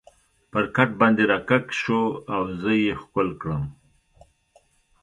پر کټ باندې را کږ شو او زه یې ښکل کړم.